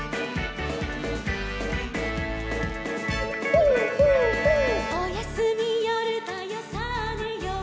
「ホーホーホー」「おやすみよるだよさあねよう」